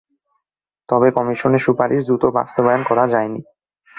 তবে কমিশনের সুপারিশ দ্রুত বাস্তবায়ন করা যায়নি।